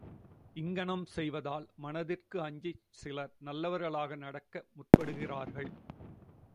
இங்ஙனம் செய்வதால் மனத்திற்கு அஞ்சிச் சிலர் நல்லவர்களாக நடக்க முற்படுகிறார்கள்.